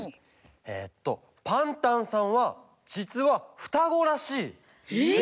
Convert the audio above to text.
えっと「パンタンさんはじつはふたごらしい」。え！？